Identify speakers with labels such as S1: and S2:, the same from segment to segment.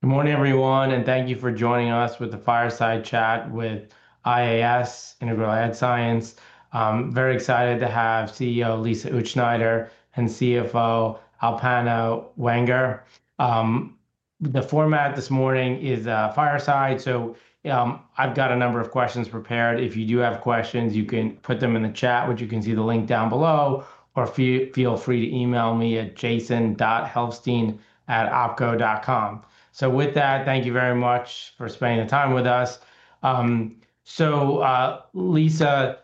S1: Good morning, everyone, and thank you for joining us with the fireside chat with IAS, Integral Ad Science. I'm very excited to have CEO Lisa Utzschneider and CFO Alpana Wegner. The format this morning is a fireside, so I've got a number of questions prepared. If you do have questions, you can put them in the chat, which you can see the link down below, or feel free to email me at jason.helfstein@opco.com. Thank you very much for spending the time with us. Lisa,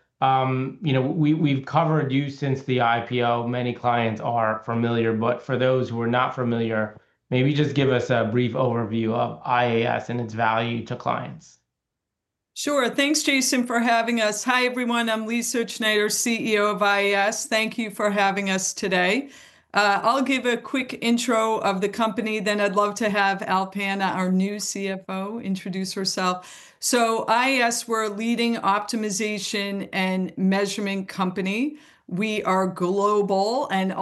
S1: you know we've covered you since the IPO. Many clients are familiar, but for those who are not familiar, maybe just give us a brief overview of IAS and its value to clients.
S2: Sure. Thanks, Jason, for having us. Hi, everyone. I'm Lisa Utzschneider, CEO of IAS. Thank you for having us today. I'll give a quick intro of the company, then I'd love to have Alpana, our new CFO, introduce herself. IAS, we're a leading optimization and measurement company. We are global, and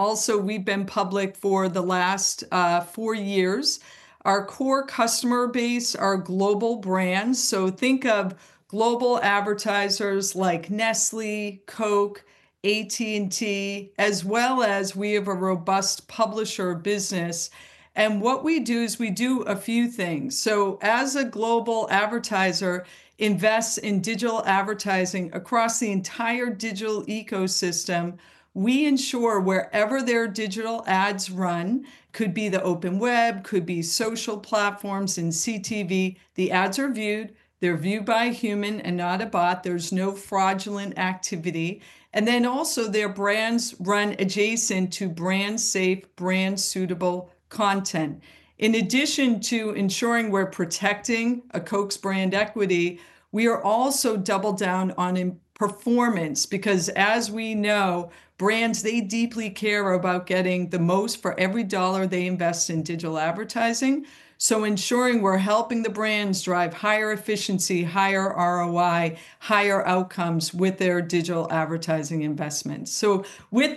S2: we've been public for the last four years. Our core customer base are global brands, so think of global advertisers like Nestlé, Coke, AT&T, as well as we have a robust publisher business. What we do is we do a few things. As a global advertiser investing in digital advertising across the entire digital ecosystem, we ensure wherever their digital ads run, could be the open web, could be social platforms and connected TV, the ads are viewed. They're viewed by a human and not a bot. There's no fraudulent activity. Their brands run adjacent to brand-safe, brand-suitable content. In addition to ensuring we're protecting a Coke's brand equity, we are also doubled down on performance because, as we know, brands deeply care about getting the most for every dollar they invest in digital advertising. Ensuring we're helping the brands drive higher efficiency, higher ROI, higher outcomes with their digital advertising investments.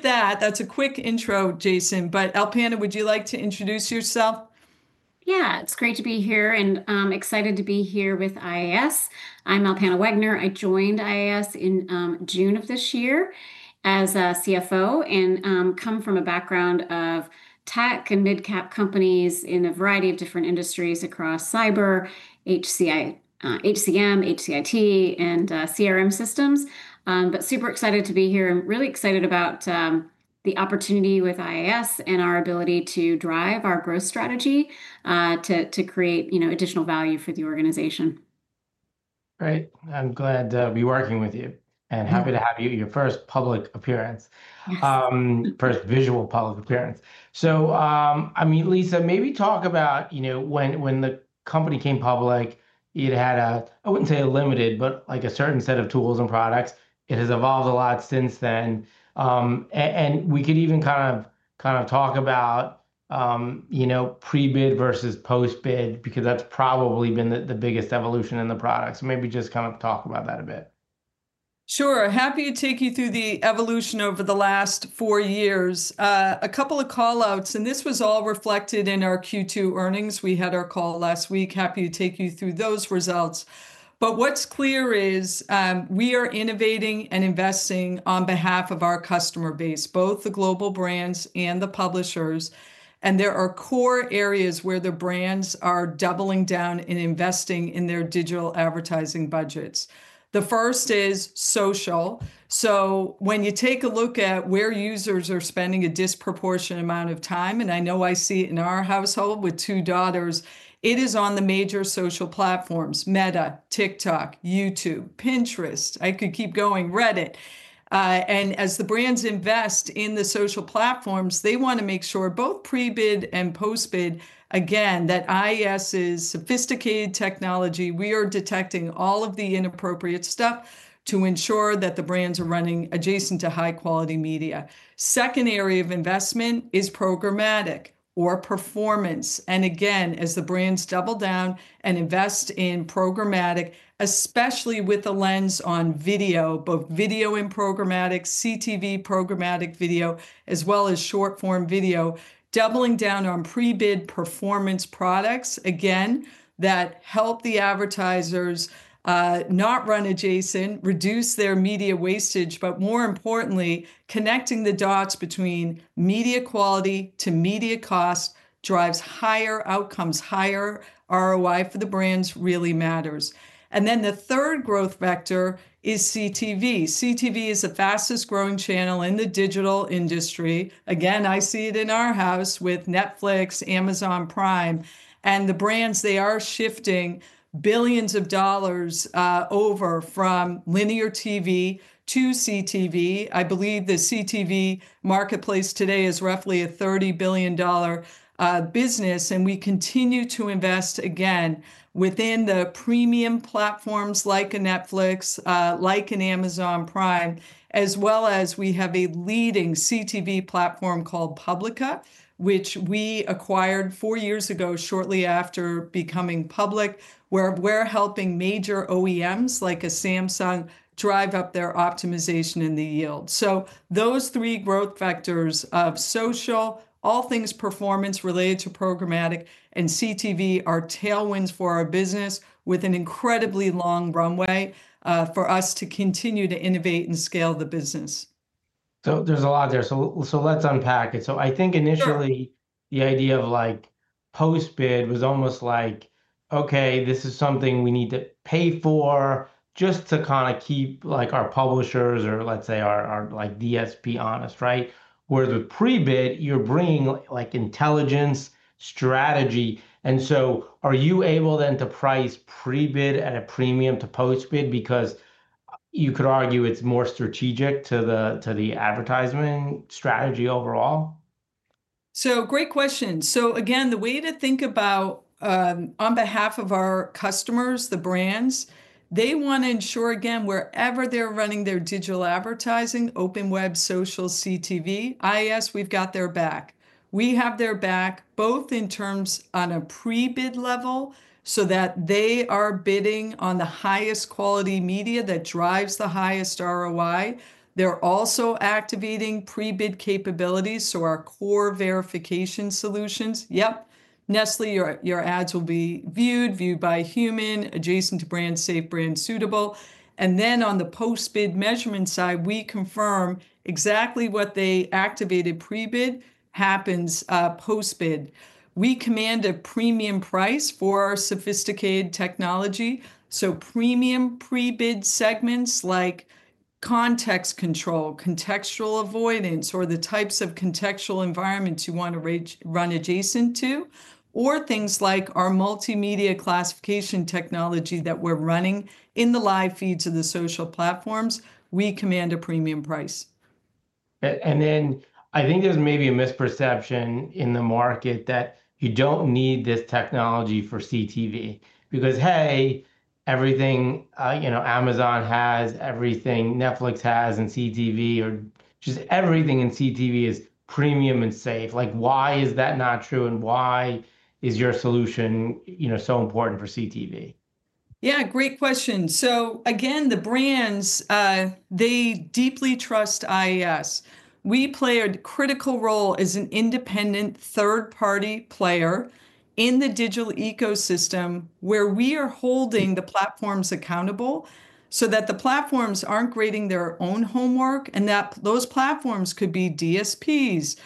S2: That's a quick intro, Jason, but Alpana, would you like to introduce yourself?
S3: Yeah, it's great to be here and excited to be here with IAS. I'm Alpana Wegner. I joined IAS in June of this year as a CFO and come from a background of tech and mid-cap companies in a variety of different industries across cyber, HCM, HCIT, and CRM systems. I'm super excited to be here and really excited about the opportunity with IAS and our ability to drive our growth strategy to create additional value for the organization.
S1: Great. I'm glad to be working with you and happy to have you at your first public appearance, first visual public appearance. Lisa, maybe talk about when the company came public, it had a, I wouldn't say a limited, but like a certain set of tools and products. It has evolved a lot since then. We could even kind of talk about pre-bid versus post-bid because that's probably been the biggest evolution in the product. Maybe just kind of talk about that a bit.
S2: Sure. Happy to take you through the evolution over the last four years. A couple of callouts, and this was all reflected in our Q2 earnings. We had our call last week. Happy to take you through those results. What's clear is we are innovating and investing on behalf of our customer base, both the global brands and the publishers. There are core areas where the brands are doubling down and investing in their digital advertising budgets. The first is social. When you take a look at where users are spending a disproportionate amount of time, and I know I see it in our household with two daughters, it is on the major social platforms: Meta, TikTok, YouTube, Pinterest. I could keep going, Reddit. As the brands invest in the social platforms, they want to make sure both pre-bid and post-bid, again, that IAS's sophisticated technology, we are detecting all of the inappropriate stuff to ensure that the brands are running adjacent to high-quality media. The second area of investment is programmatic or performance. As the brands double down and invest in programmatic, especially with the lens on video, both video and programmatic, CTV programmatic video, as well as short-form video, doubling down on pre-bid performance products, again, that help the advertisers not run adjacent, reduce their media wastage, but more importantly, connecting the dots between media quality to media cost drives higher outcomes. Higher ROI for the brands really matters. The third growth vector is CTV. CTV is the fastest growing channel in the digital industry. I see it in our house with Netflix, Amazon Prime, and the brands, they are shifting billions of dollars over from linear TV to CTV. I believe the CTV marketplace today is roughly a $30 billion business. We continue to invest again within the premium platforms like a Netflix, like an Amazon Prime, as well as we have a leading CTV platform called Publica, which we acquired four years ago, shortly after becoming public, where we're helping major OEMs like a Samsung drive up their optimization in the yield. Those three growth vectors of social, all things performance related to programmatic, and CTV are tailwinds for our business with an incredibly long runway for us to continue to innovate and scale the business.
S1: There's a lot there. Let's unpack it. I think initially the idea of post-bid was almost like, okay, this is something we need to pay for just to kind of keep our publishers or let's say our DSP honest, right? Whereas with pre-bid, you're bringing intelligence strategy. Are you able then to price pre-bid at a premium to post-bid because you could argue it's more strategic to the advertising strategy overall?
S2: Great question. The way to think about on behalf of our customers, the brands, they want to ensure, wherever they're running their digital advertising—open web, social, CTV—IAS, we've got their back. We have their back both in terms on a pre-bid level so that they are bidding on the highest quality media that drives the highest ROI. They're also activating pre-bid capabilities. Our core verification solutions—yep, Nestlé, your ads will be viewed, viewed by a human, adjacent to brand-safe, brand-suitable. On the post-bid measurement side, we confirm exactly what they activated pre-bid happens post-bid. We command a premium price for our sophisticated technology. Premium pre-bid segments like context control, contextual avoidance, or the types of contextual environments you want to run adjacent to, or things like our multimedia classification technology that we're running in the live feeds of the social platforms, we command a premium price.
S1: I think there's maybe a misperception in the market that you don't need this technology for CTV because, hey, everything, you know, Amazon has everything, Netflix has in CTV, or just everything in CTV is premium and safe. Why is that not true, and why is your solution so important for CTV?
S2: Yeah, great question. The brands, they deeply trust IAS. We play a critical role as an independent third-party player in the digital ecosystem, where we are holding the platforms accountable so that the platforms aren't grading their own homework. Those platforms could be DSPs,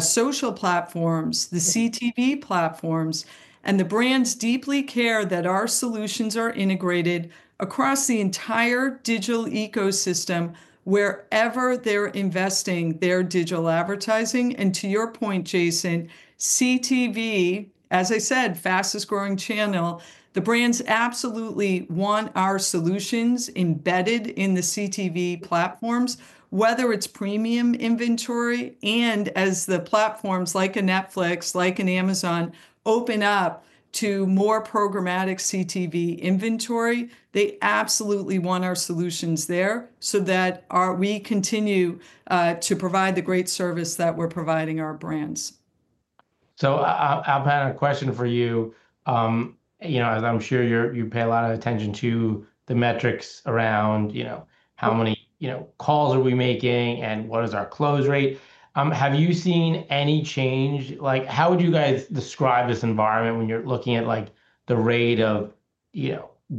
S2: social platforms, the CTV platforms, and the brands deeply care that our solutions are integrated across the entire digital ecosystem wherever they're investing their digital advertising. To your point, Jason, CTV, as I said, fastest growing channel, the brands absolutely want our solutions embedded in the CTV platforms, whether it's premium inventory. As the platforms like a Netflix, like an Amazon open up to more programmatic CTV inventory, they absolutely want our solutions there so that we continue to provide the great service that we're providing our brands.
S1: I have a question for you. You know, as I'm sure you pay a lot of attention to the metrics around, you know, how many calls are we making and what is our close rate? Have you seen any change? How would you guys describe this environment when you're looking at the rate of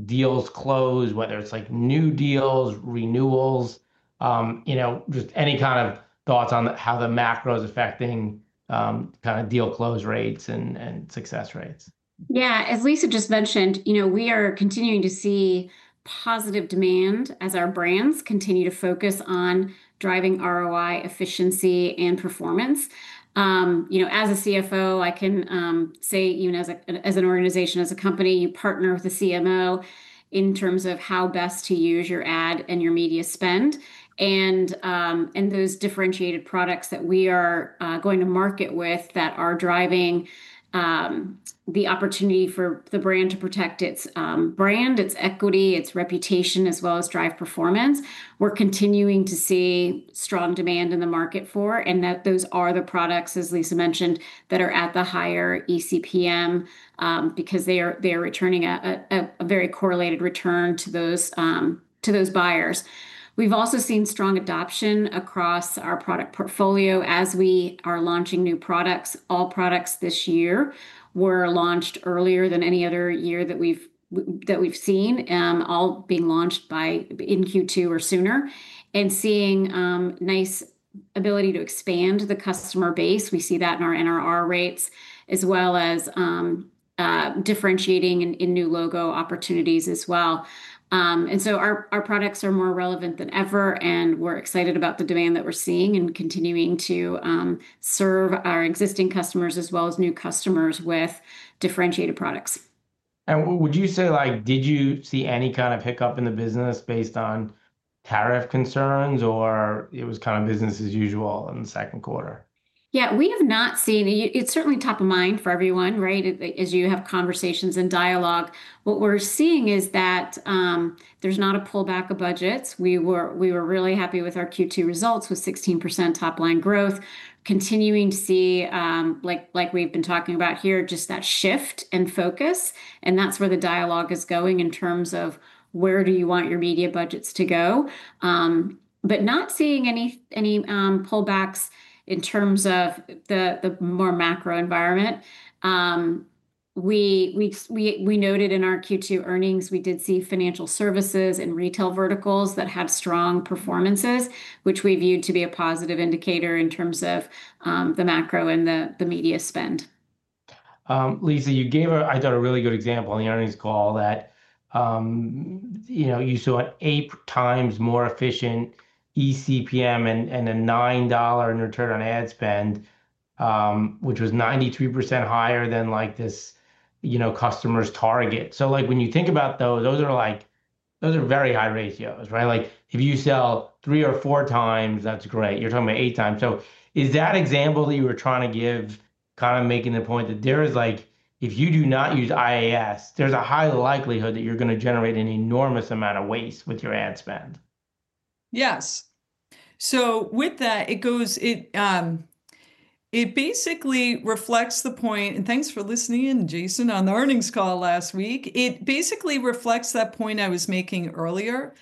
S1: deals closed, whether it's new deals, renewals, just any kind of thoughts on how the macro is affecting deal close rates and success rates?
S3: Yeah, as Lisa just mentioned, we are continuing to see positive demand as our brands continue to focus on driving ROI, efficiency, and performance. As a CFO, I can say even as an organization, as a company, you partner with the CMO in terms of how best to use your ad and your media spend. Those differentiated products that we are going to market with are driving the opportunity for the brand to protect its brand, its equity, its reputation, as well as drive performance. We're continuing to see strong demand in the market for, and those are the products, as Lisa mentioned, that are at the higher ECPM because they're returning a very correlated return to those buyers. We've also seen strong adoption across our product portfolio as we are launching new products. All products this year were launched earlier than any other year that we've seen, all being launched in Q2 or sooner, and seeing a nice ability to expand the customer base. We see that in our NRR rates, as well as differentiating in new logo opportunities as well. Our products are more relevant than ever, and we're excited about the demand that we're seeing and continuing to serve our existing customers as well as new customers with differentiated products.
S1: Did you see any kind of hiccup in the business based on tariff concerns, or was it kind of business as usual in the second quarter?
S3: Yeah, we have not seen, it's certainly top of mind for everyone, right? As you have conversations and dialogue, what we're seeing is that there's not a pullback of budgets. We were really happy with our Q2 results with 16% top-line growth, continuing to see, like we've been talking about here, just that shift in focus. That's where the dialogue is going in terms of where do you want your media budgets to go, but not seeing any pullbacks in terms of the more macro environment. We noted in our Q2 earnings, we did see financial services and retail verticals that had strong performances, which we viewed to be a positive indicator in terms of the macro and the media spend.
S1: Lisa, you gave a, I thought, a really good example in the earnings call that you saw an eight times more efficient ECPM and a $9 in return on ad spend, which was 93% higher than, like, this customer's target. When you think about those, those are very high ratios, right? If you sell 3x or 4x, that's great. You're talking about 8x. Is that example that you were trying to give kind of making the point that there is, like, if you do not use IAS, there's a high likelihood that you're going to generate an enormous amount of waste with your ad spend?
S2: Yes. With that, it basically reflects the point, and thanks for listening in, Jason, on the earnings call last week. It basically reflects that point I was making earlier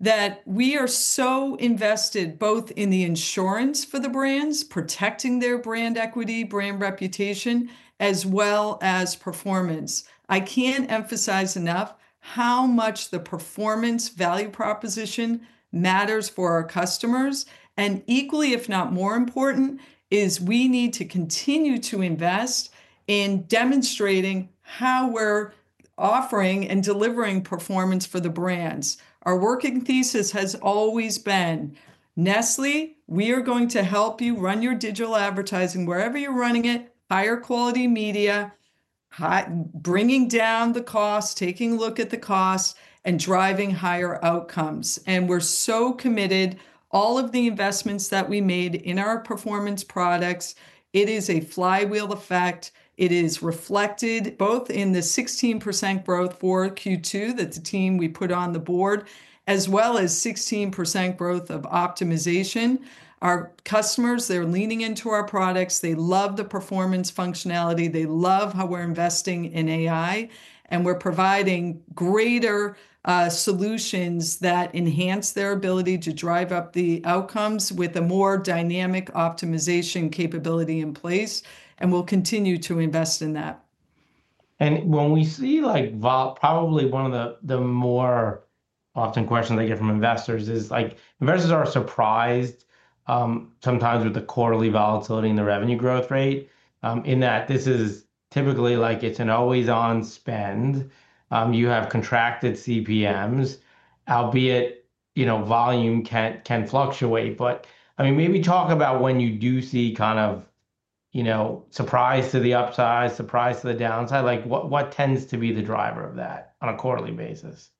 S2: that we are so invested both in the insurance for the brands, protecting their brand equity, brand reputation, as well as performance. I can't emphasize enough how much the performance value proposition matters for our customers. Equally, if not more important, is we need to continue to invest in demonstrating how we're offering and delivering performance for the brands. Our working thesis has always been, Nestlé, we are going to help you run your digital advertising wherever you're running it, higher quality media, bringing down the cost, taking a look at the cost, and driving higher outcomes. We're so committed, all of the investments that we made in our performance products, it is a flywheel effect. It is reflected both in the 16% growth for Q2, that's a team we put on the board, as well as 16% growth of optimization. Our customers, they're leaning into our products. They love the performance functionality. They love how we're investing in AI, and we're providing greater solutions that enhance their ability to drive up the outcomes with a more dynamic optimization capability in place. We'll continue to invest in that.
S1: One of the more often questions I get from investors is investors are surprised sometimes with the quarterly volatility and the revenue growth rate in that this is typically like it's an always-on spend. You have contracted CPMs, albeit you know volume can fluctuate. Maybe talk about when you do see kind of you know surprise to the upside, surprise to the downside, what tends to be the driver of that on a quarterly basis?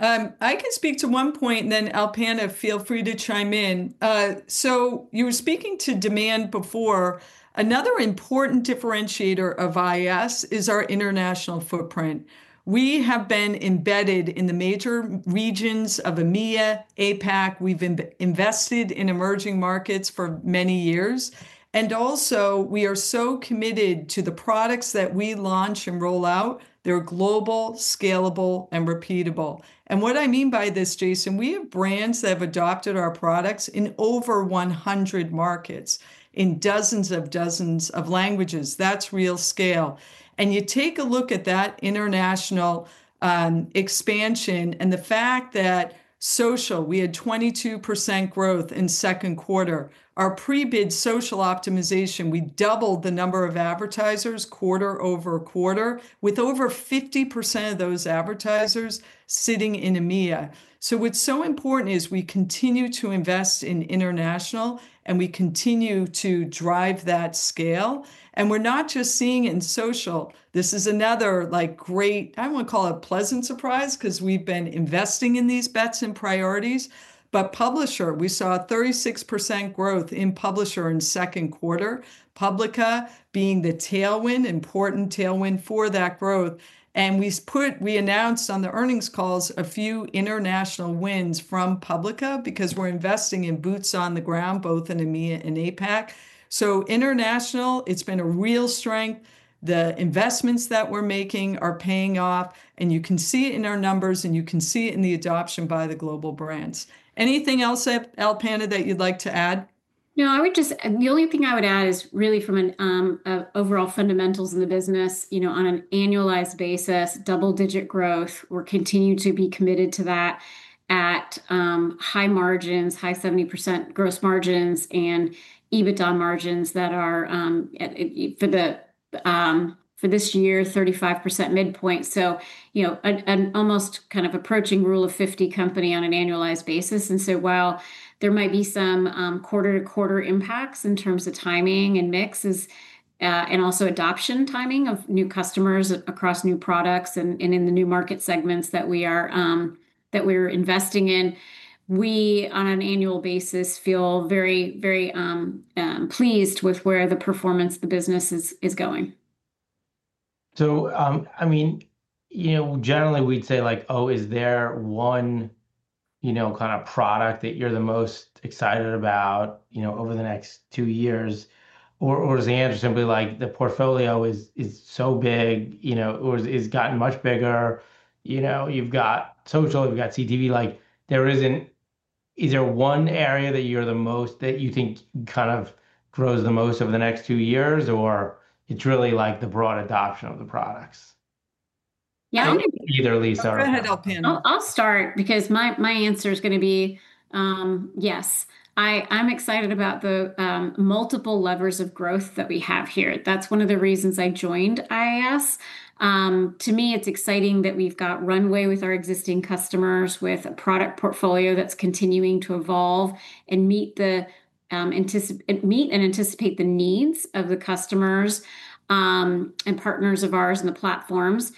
S2: I can speak to one point, and then Alpana, feel free to chime in. You were speaking to demand before. Another important differentiator of IAS is our international footprint. We have been embedded in the major regions of EMEA and APAC. We've invested in emerging markets for many years. We are so committed to the products that we launch and roll out. They're global, scalable, and repeatable. What I mean by this, Jason, is we have brands that have adopted our products in over 100 markets in dozens of dozens of languages. That's real scale. You take a look at that international expansion and the fact that social, we had 22% growth in the second quarter. Our Pre-bid Social Optimization, we doubled the number of advertisers quarter-over-quarter, with over 50% of those advertisers sitting in EMEA. What's so important is we continue to invest in international, and we continue to drive that scale. We're not just seeing it in social. This is another great, I don't want to call it a pleasant surprise because we've been investing in these bets and priorities. Publisher, we saw a 36% growth in publisher in the second quarter, Publica being the tailwind, important tailwind for that growth. We announced on the earnings calls a few international wins from Publica because we're investing in boots on the ground, both in EMEA and APAC. International, it's been a real strength. The investments that we're making are paying off. You can see it in our numbers, and you can see it in the adoption by the global brands. Anything else, Alpana, that you'd like to add?
S3: No, I would just, the only thing I would add is really from an overall fundamentals in the business, you know, on an annualized basis, double-digit growth. We're continuing to be committed to that at high margins, high 70% gross margins, and EBITDA margins that are for this year, 35% midpoint. You know, an almost kind of approaching rule of 50 company on an annualized basis. While there might be some quarter-to-quarter impacts in terms of timing and mixes, and also adoption timing of new customers across new products and in the new market segments that we are, that we're investing in, we on an annual basis feel very, very pleased with where the performance of the business is going.
S1: I mean, you know, generally we'd say like, oh, is there one, you know, kind of product that you're the most excited about, you know, over the next two years? Is the answer simply like the portfolio is so big, you know, or has gotten much bigger? You know, you've got social, you've got CTV, like there isn't, is there one area that you're the most, that you think kind of grows the most over the next two years, or it's really like the broad adoption of the products?
S3: Yeah, I think either Lisa.
S2: Go ahead, Alpana.
S3: I'll start because my answer is going to be yes. I'm excited about the multiple levers of growth that we have here. That's one of the reasons I joined IAS. To me, it's exciting that we've got runway with our existing customers with a product portfolio that's continuing to evolve and meet and anticipate the needs of the customers and partners of ours in the platforms.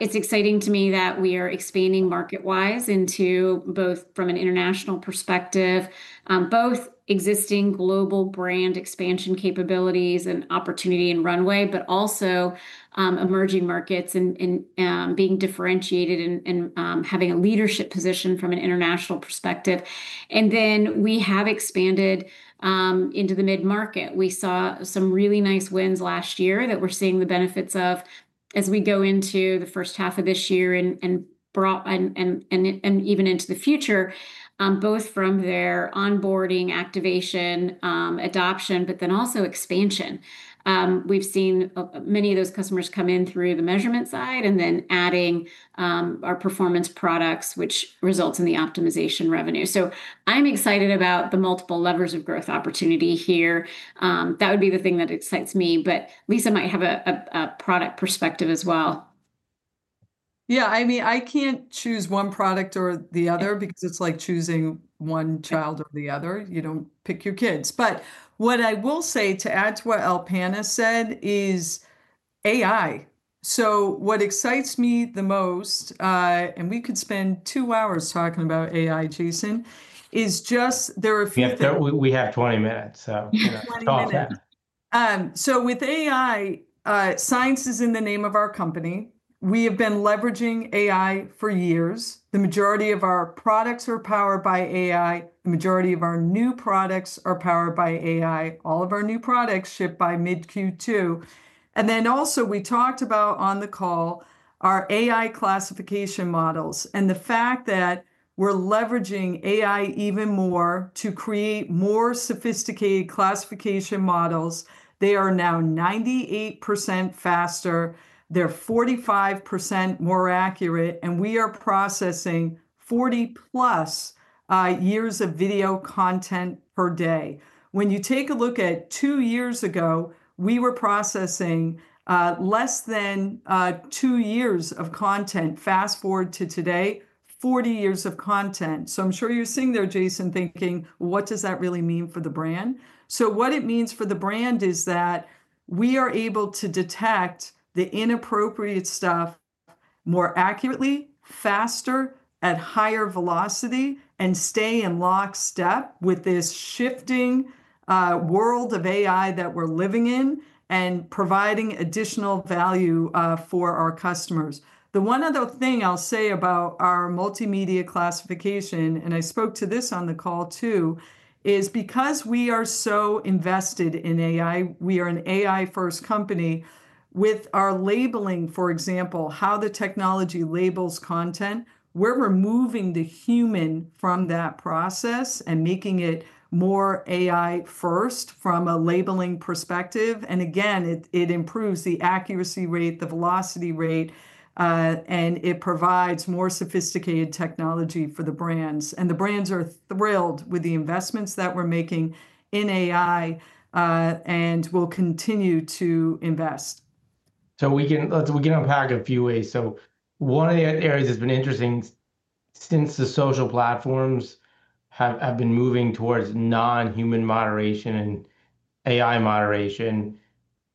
S3: It's exciting to me that we are expanding market-wise into both from an international perspective, both existing global brand expansion capabilities and opportunity and runway, but also emerging markets and being differentiated and having a leadership position from an international perspective. We have expanded into the mid-market. We saw some really nice wins last year that we're seeing the benefits of as we go into the first half of this year and even into the future, both from their onboarding, activation, adoption, but then also expansion. We've seen many of those customers come in through the measurement side and then adding our performance products, which results in the optimization revenue. I'm excited about the multiple levers of growth opportunity here. That would be the thing that excites me, but Lisa might have a product perspective as well.
S2: Yeah, I mean, I can't choose one product or the other because it's like choosing one child or the other. You don't pick your kids. What I will say to add to what Alpana said is AI. What excites me the most, and we could spend two hours talking about AI, Jason, is just there are a few.
S1: We have 20 minutes.
S2: We have 20 minutes. With AI, science is in the name of our company. We have been leveraging AI for years. The majority of our products are powered by AI. The majority of our new products are powered by AI. All of our new products ship by mid-Q2. We talked about on the call our AI classification models and the fact that we're leveraging AI even more to create more sophisticated classification models. They are now 98% faster, 45% more accurate, and we are processing 40+ years of video content per day. When you take a look at two years ago, we were processing less than two years of content. Fast forward to today, 40 years of content. I'm sure you're sitting there, Jason, thinking, what does that really mean for the brand? What it means for the brand is that we are able to detect the inappropriate stuff more accurately, faster, at higher velocity, and stay in lockstep with this shifting world of AI that we're living in and providing additional value for our customers. The one other thing I'll say about our multimedia classification, and I spoke to this on the call too, is because we are so invested in AI, we are an AI-first company with our labeling, for example, how the technology labels content. We're removing the human from that process and making it more AI-first from a labeling perspective. It improves the accuracy rate, the velocity rate, and it provides more sophisticated technology for the brands. The brands are thrilled with the investments that we're making in AI and will continue to invest.
S1: We can unpack a few ways. One of the areas that's been interesting since the social platforms have been moving towards non-human moderation and AI moderation,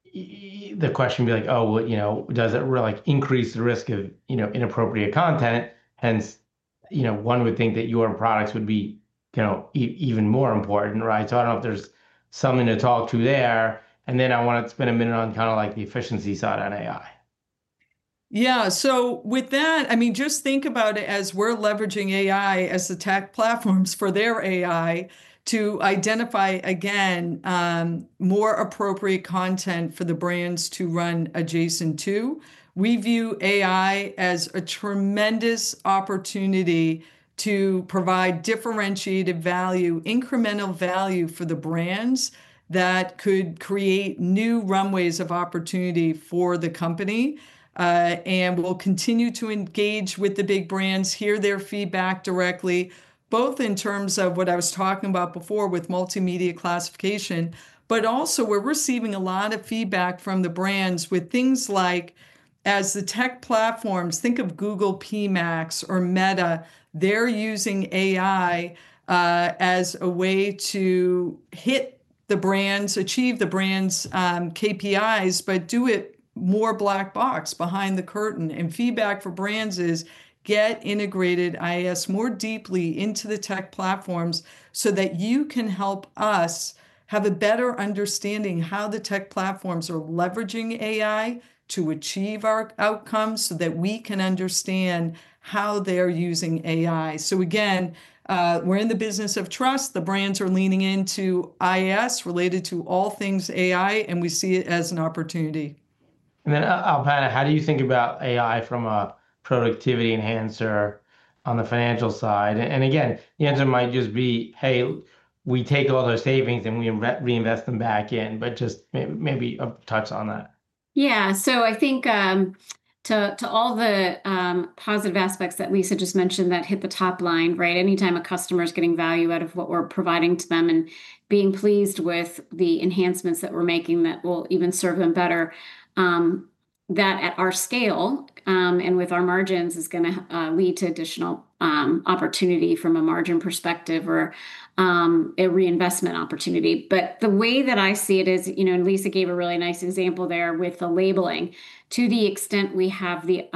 S1: the question would be like, oh, does it really increase the risk of inappropriate content? Hence, one would think that your products would be even more important, right? I don't know if there's something to talk to there. I want to spend a minute on kind of like the efficiency side on AI.
S2: Yeah, with that, just think about it as we're leveraging AI as tech platforms for their AI to identify, again, more appropriate content for the brands to run adjacent to. We view AI as a tremendous opportunity to provide differentiated value, incremental value for the brands that could create new runways of opportunity for the company. We will continue to engage with the big brands, hear their feedback directly, both in terms of what I was talking about before with multimedia classification, but also we're receiving a lot of feedback from the brands with things like as the tech platforms, think of Google PMax or Meta, they're using AI as a way to hit the brands, achieve the brands' KPIs, but do it more black box behind the curtain. Feedback for brands is get integrated IAS more deeply into the tech platforms so that you can help us have a better understanding of how the tech platforms are leveraging AI to achieve our outcomes so that we can understand how they're using AI. We're in the business of trust. The brands are leaning into IAS related to all things AI, and we see it as an opportunity.
S1: Alpana, how do you think about AI from a productivity enhancer on the financial side? The answer might just be, hey, we take all those savings and we reinvest them back in, but just maybe a touch on that.
S3: Yeah, so I think to all the positive aspects that Lisa just mentioned that hit the top line, right? Anytime a customer is getting value out of what we're providing to them and being pleased with the enhancements that we're making that will even serve them better, that at our scale and with our margins is going to lead to additional opportunity from a margin perspective or a reinvestment opportunity. The way that I see it is, you know, and Lisa gave a really nice example there with the labeling. To the extent we have the,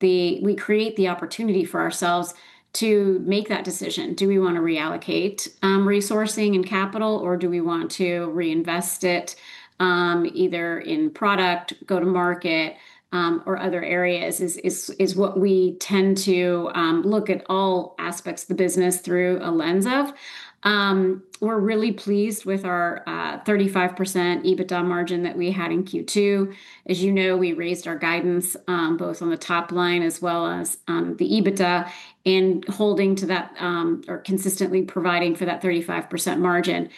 S3: we create the opportunity for ourselves to make that decision. Do we want to reallocate resourcing and capital, or do we want to reinvest it either in product, go-to-market, or other areas is what we tend to look at all aspects of the business through a lens of. We're really pleased with our 35% EBITDA margin that we had in Q2. As you know, we raised our guidance both on the top line as well as the EBITDA and holding to that or consistently providing for that 35% margin.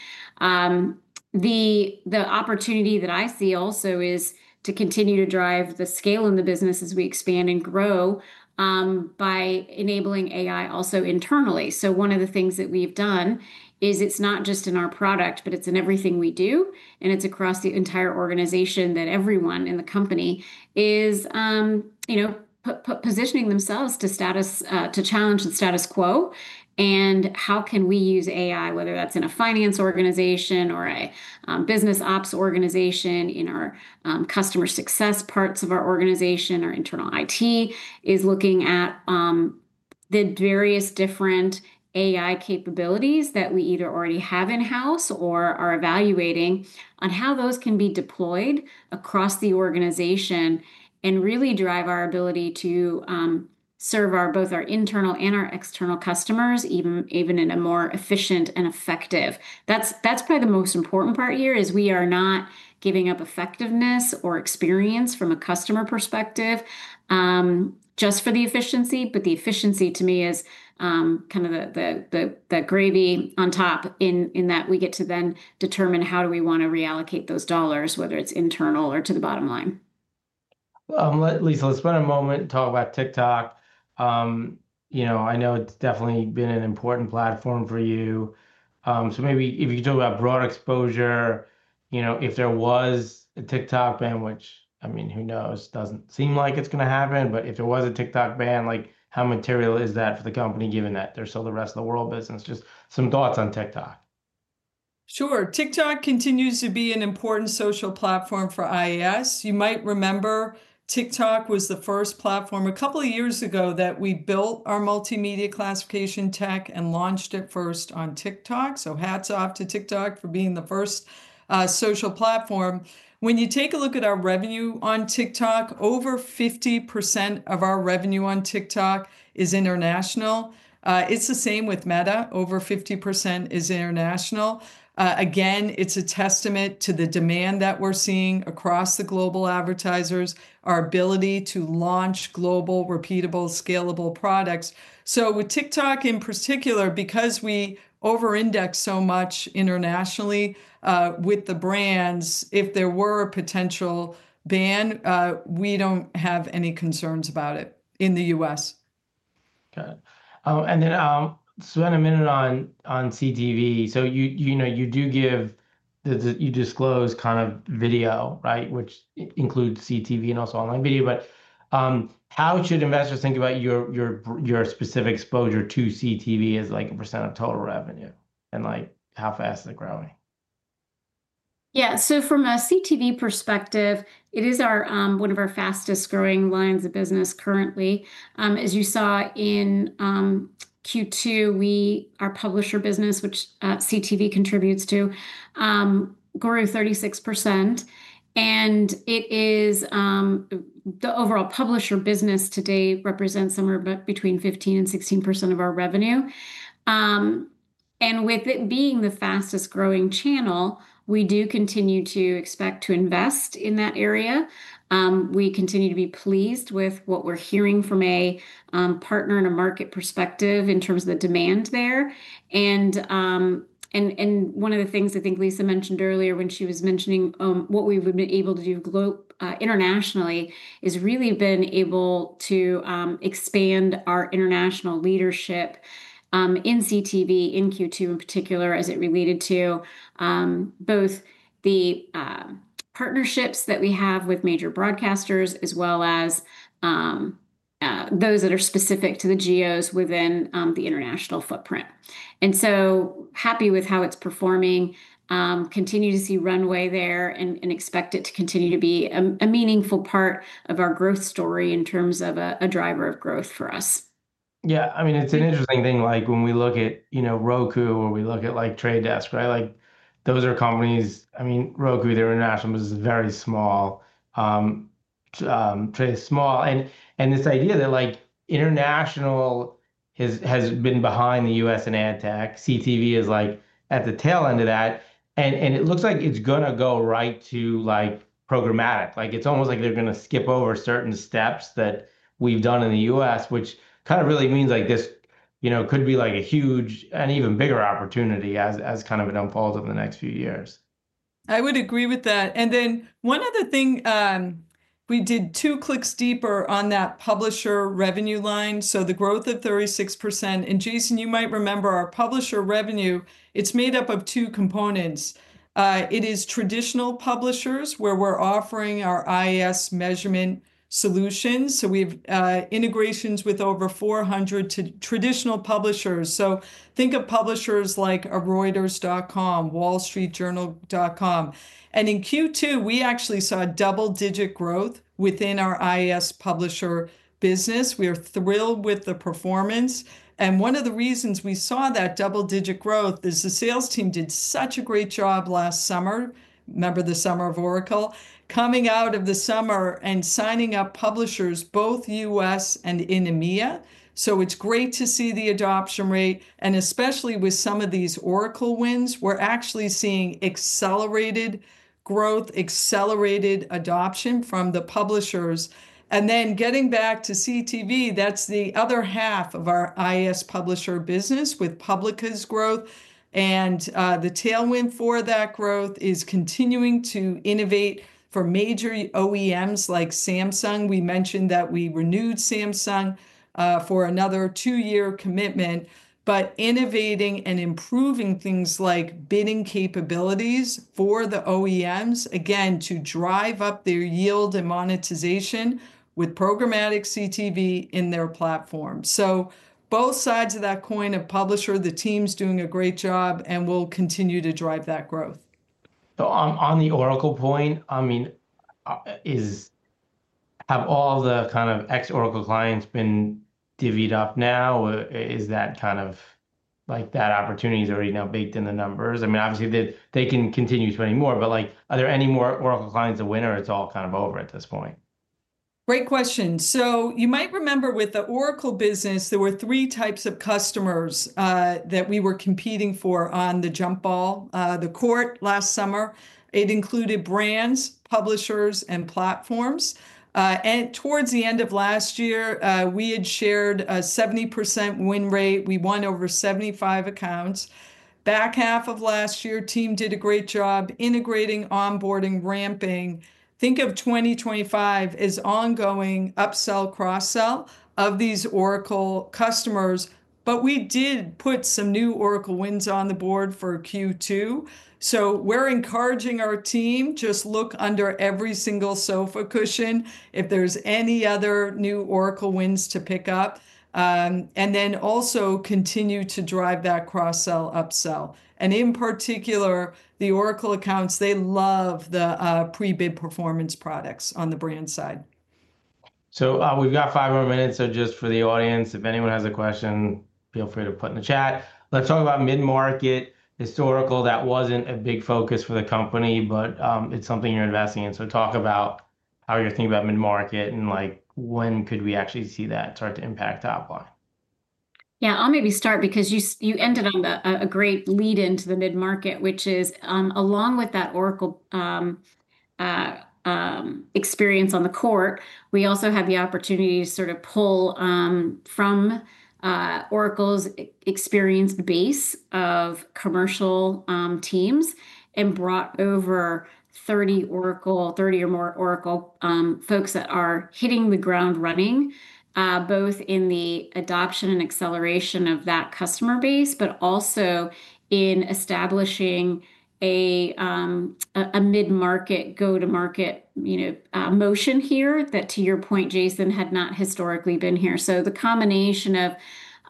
S3: The opportunity that I see also is to continue to drive the scale in the business as we expand and grow by enabling AI also internally. One of the things that we've done is it's not just in our product, but it's in everything we do. It's across the entire organization that everyone in the company is, you know, positioning themselves to challenge the status quo. How can we use AI, whether that's in a finance organization or a business ops organization, in our customer success parts of our organization, our internal IT, is looking at the various different AI capabilities that we either already have in-house or are evaluating on how those can be deployed across the organization and really drive our ability to serve both our internal and our external customers, even in a more efficient and effective. That's probably the most important part here is we are not giving up effectiveness or experience from a customer perspective just for the efficiency. The efficiency to me is kind of the gravy on top in that we get to then determine how do we want to reallocate those dollars, whether it's internal or to the bottom line.
S1: Lisa, let's spend a moment to talk about TikTok. I know it's definitely been an important platform for you. Maybe if you could talk about broad exposure, if there was a TikTok ban, which, I mean, who knows, doesn't seem like it's going to happen, but if there was a TikTok ban, how material is that for the company given that there's still the rest of the world business? Just some thoughts on TikTok.
S2: Sure. TikTok continues to be an important social platform for IAS. You might remember TikTok was the first platform a couple of years ago that we built our multimedia classification tech and launched it first on TikTok. Hats off to TikTok for being the first social platform. When you take a look at our revenue on TikTok, over 50% of our revenue on TikTok is international. It's the same with Meta. Over 50% is international. It is a testament to the demand that we're seeing across the global advertisers, our ability to launch global, repeatable, scalable products. With TikTok in particular, because we over-index so much internationally with the brands, if there were a potential ban, we don't have any concerns about it in the U.S.
S1: Okay. Spend a minute on CTV. You do disclose kind of video, which includes CTV and also online video. How should investors think about your specific exposure to CTV as a percent of total revenue and how fast is it growing?
S3: Yeah, so from a CTV perspective, it is one of our fastest-growing lines of business currently. As you saw in Q2, our publisher business, which CTV contributes to, grew 36%. The overall publisher business today represents somewhere between 15% and 16% of our revenue. With it being the fastest growing channel, we do continue to expect to invest in that area. We continue to be pleased with what we're hearing from a partner and a market perspective in terms of the demand there. One of the things I think Lisa mentioned earlier when she was mentioning what we've been able to do internationally is really been able to expand our international leadership in CTV in Q2 in particular as it related to both the partnerships that we have with major broadcasters as well as those that are specific to the GOs within the international footprint. Happy with how it's performing. Continue to see runway there and expect it to continue to be a meaningful part of our growth story in terms of a driver of growth for us.
S1: Yeah, I mean, it's an interesting thing. Like when we look at, you know, Roku or we look at like The Trade Desk, right? Like those are companies, I mean, Roku, they're international, but it's very small. Trade is small. This idea that international has been behind the U.S. in ad tech, CTV is at the tail end of that. It looks like it's going to go right to programmatic. It's almost like they're going to skip over certain steps that we've done in the U.S., which kind of really means this could be a huge and even bigger opportunity as it unfolds over the next few years.
S2: I would agree with that. One other thing, we did two clicks deeper on that publisher revenue line. The growth of 36%. Jason, you might remember our publisher revenue, it's made up of two components. It is traditional publishers where we're offering our IAS measurement solutions. We have integrations with over 400 traditional publishers. Think of publishers like Reuters.com, WallStreetJournal.com. In Q2, we actually saw double-digit growth within our IAS publisher business. We are thrilled with the performance. One of the reasons we saw that double-digit growth is the sales team did such a great job last summer. Remember the summer of Oracle? Coming out of the summer and signing up publishers, both U.S. and in EMEA. It's great to see the adoption rate. Especially with some of these Oracle wins, we're actually seeing accelerated growth, accelerated adoption from the publishers. Getting back to CTV, that's the other half of our IAS publisher business with Publica's growth. The tailwind for that growth is continuing to innovate for major OEMs like Samsung. We mentioned that we renewed Samsung for another two-year commitment. Innovating and improving things like bidding capabilities for the OEMs, again, to drive up their yield and monetization with programmatic CTV in their platform. Both sides of that coin of publisher, the team's doing a great job and will continue to drive that growth.
S1: On the Oracle point, have all the kind of ex-Oracle clients been divvied up now? Is that kind of like that opportunity is already now baked in the numbers? Obviously they can continue spending more, but are there any more Oracle clients to win or it's all kind of over at this point?
S2: Great question. You might remember with the Oracle business, there were three types of customers that we were competing for on the jump ball, the court last summer. It included brands, publishers, and platforms. Towards the end of last year, we had shared a 70% win rate. We won over 75 accounts. Back half of last year, the team did a great job integrating, onboarding, ramping. Think of 2025 as ongoing upsell, cross-sell of these Oracle customers. We did put some new Oracle wins on the board for Q2. We're encouraging our team, just look under every single sofa cushion if there's any other new Oracle wins to pick up. Also, continue to drive that cross-sell, upsell. In particular, the Oracle accounts love the pre-bid performance products on the brand side.
S1: We have five more minutes. Just for the audience, if anyone has a question, feel free to put it in the chat. Let's talk about mid-market historical. That wasn't a big focus for the company, but it's something you're investing in. Talk about how you're thinking about mid-market and like when could we actually see that start to impact top line?
S3: Yeah, I'll maybe start because you ended on a great lead into the mid-market, which is along with that Oracle experience on the court, we also have the opportunity to sort of pull from Oracle's experienced base of commercial teams and brought over 30 Oracle, 30 or more Oracle folks that are hitting the ground running, both in the adoption and acceleration of that customer base, but also in establishing a mid-market go-to-market motion here that, to your point, Jason, had not historically been here. The combination of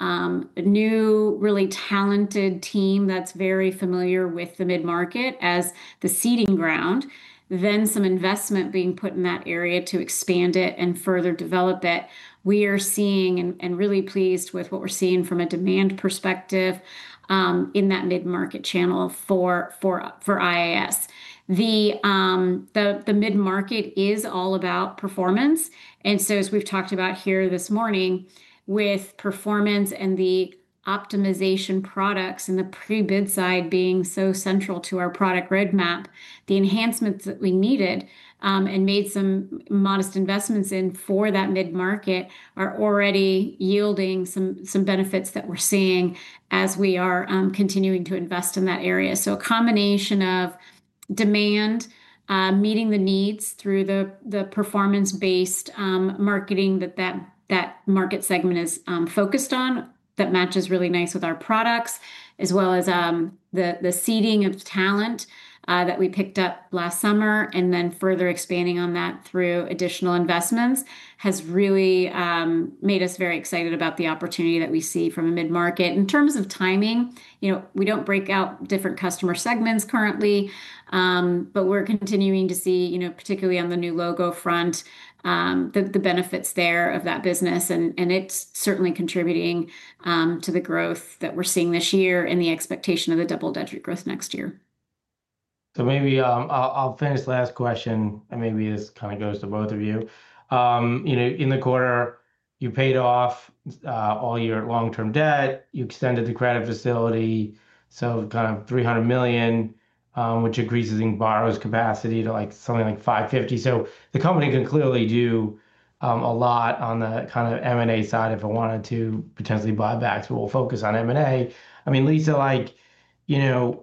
S3: a new, really talented team that's very familiar with the mid-market as the seeding ground, then some investment being put in that area to expand it and further develop it. We are seeing and really pleased with what we're seeing from a demand perspective in that mid-market channel for IAS. The mid-market is all about performance. As we've talked about here this morning, with performance and the optimization products and the pre-bid side being so central to our product roadmap, the enhancements that we needed and made some modest investments in for that mid-market are already yielding some benefits that we're seeing as we are continuing to invest in that area. A combination of demand, meeting the needs through the performance-based marketing that that market segment is focused on that matches really nicely with our products, as well as the seeding of talent that we picked up last summer. Further expanding on that through additional investments has really made us very excited about the opportunity that we see from a mid-market. In terms of timing, you know, we don't break out different customer segments currently, but we're continuing to see, particularly on the new logo front, the benefits there of that business. It's certainly contributing to the growth that we're seeing this year and the expectation of the double-digit growth next year.
S1: Maybe I'll finish the last question, and maybe this kind of goes to both of you. In the quarter, you paid off all your long-term debt. You extended the credit facility, so kind of $300 million, which increases in borrowing capacity to something like $550 million. The company can clearly do a lot on the kind of M&A side if it wanted to potentially buy back. We'll focus on M&A. I mean, Lisa, just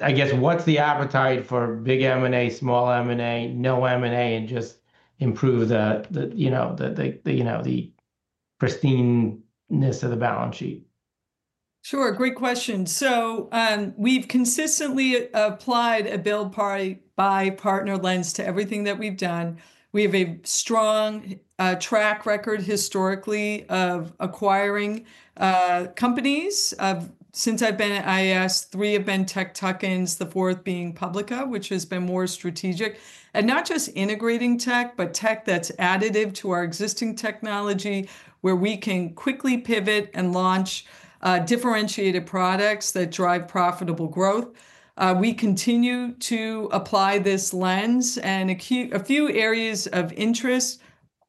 S1: I guess what's the appetite for big M&A, small M&A, no M&A, and just improve the pristineness of the balance sheet?
S2: Sure, great question. We've consistently applied a build, partner, buy lens to everything that we've done. We have a strong track record historically of acquiring companies. Since I've been at IAS, three have been tech tuck-ins, the fourth being Publica, which has been more strategic. Not just integrating tech, but tech that's additive to our existing technology where we can quickly pivot and launch differentiated products that drive profitable growth. We continue to apply this lens in a few areas of interest.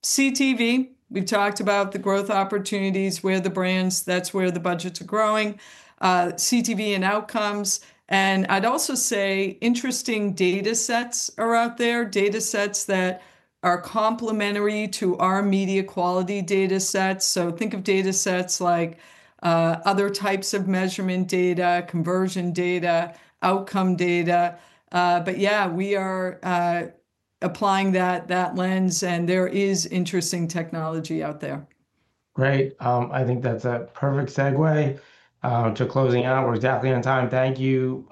S2: CTV, we've talked about the growth opportunities where the brands, that's where the budgets are growing. CTV and outcomes. I'd also say interesting data sets are out there, data sets that are complementary to our media quality data sets. Think of data sets like other types of measurement data, conversion data, outcome data. We are applying that lens and there is interesting technology out there.
S1: Great. I think that's a perfect segue to closing out. We're exactly on time. Thank you,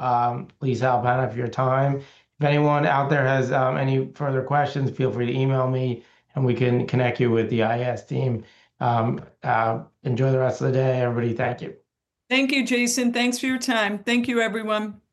S1: Lisa, Alpana, for your time. If anyone out there has any further questions, feel free to email me and we can connect you with the IAS team. Enjoy the rest of the day, everybody. Thank you.
S2: Thank you, Jason. Thanks for your time. Thank you, everyone.
S3: Thanks.